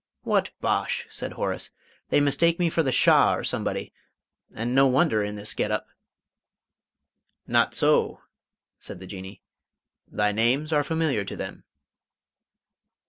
"What bosh!" said Horace. "They mistake me for the Shah or somebody and no wonder, in this get up." "Not so," said the Jinnee. "Thy names are familiar to them."